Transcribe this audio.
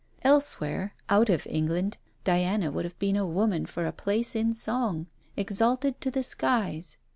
Elsewhere, out of England, Diana would have been a woman for a place in song, exalted to the skies.